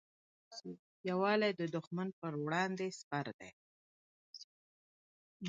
یووالی د دښمن پر وړاندې سپر دی.